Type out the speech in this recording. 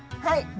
はい！